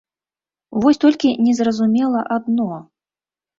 Вось толькі незразумела адно.